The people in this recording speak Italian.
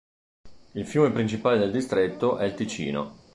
Il fiume principale del distretto è il Ticino.